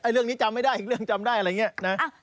เรื่องนี้จำไม่ได้อีกเรื่องจำได้อะไรอย่างนี้นะ